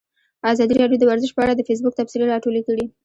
ازادي راډیو د ورزش په اړه د فیسبوک تبصرې راټولې کړي.